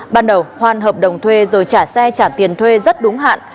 ban đầu hoan hợp đồng thuê rồi trả xe trả tiền thuê rất đúng hạn